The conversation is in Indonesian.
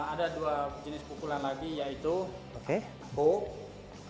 ada dua jenis pukulan lagi yaitu hope